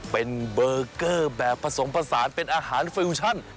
เป็นเบอร์เกอร์แบบผสมผสานเป็นอาหารฟิวชั่น